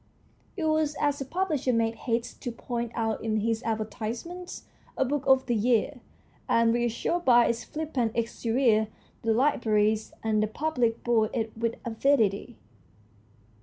It was, as the publisher made haste to point out in his advertisements, a book of the year, and, reassured by its flippant exterior, the libraries and the public bought it with avidity.